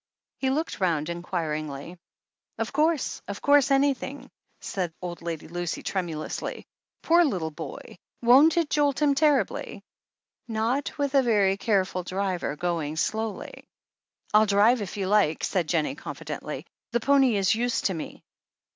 He looked round inquiringly. "Of course, of course — anything," said old Lady Lucy tremulously. "Poor little boy, won't it jolt him terribly?" Not with a very careful driver, going slowly." I'll drive, if you like," said Jennie confidently. The pony is used to me."